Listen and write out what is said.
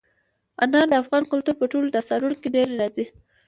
انار د افغان کلتور په ټولو داستانونو کې ډېره راځي.